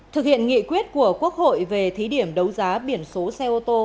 thực hiện nghị quyết của quốc hội về thí điểm đấu giá biển số xe ô tô